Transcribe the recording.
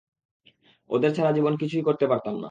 ওদের ছাড়া জীবনে কিছুই করতে পারতাম না।